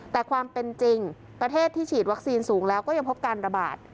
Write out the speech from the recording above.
แต่ความเป็นจริงประเทศที่ฉีดวัคซีนสูงแล้วก็ยังพบการระบาด